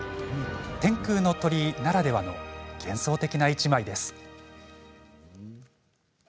天空の鳥居ならではの幻想的な１枚です。